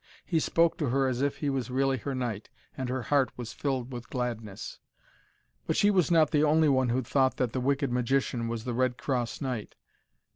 He spoke to her as if he was really her knight, and her heart was filled with gladness. But she was not the only one who thought that the wicked magician was the Red Cross Knight.